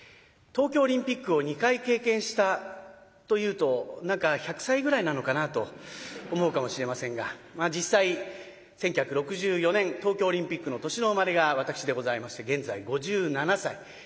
東京オリンピックを２回経験したと言うと何か１００歳ぐらいなのかなと思うかもしれませんが実際１９６４年東京オリンピックの年の生まれが私でございまして現在５７歳。